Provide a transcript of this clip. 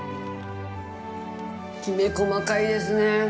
きめ細かいですね。